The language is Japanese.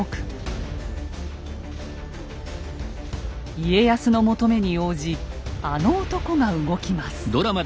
家康の求めに応じあの男が動きます。